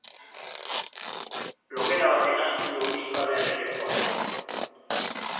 Logela batek hartzen du sukaldearen lekua.